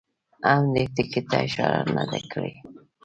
هم دې ټکي ته اشاره نه ده کړې.